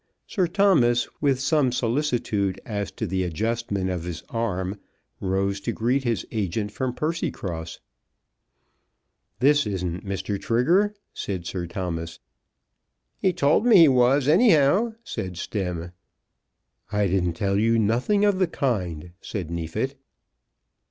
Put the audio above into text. Sir Thomas, with some solicitude as to the adjustment of his arm, rose to greet his agent from Percy cross. "This isn't Mr. Trigger," said Sir Thomas. "He told me he was, anyhow," said Stemm, "I didn't tell you nothing of the kind," said Neefit.